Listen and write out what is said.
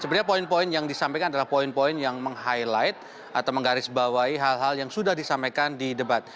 sebenarnya poin poin yang disampaikan adalah poin poin yang meng highlight atau menggarisbawahi hal hal yang sudah disampaikan di debat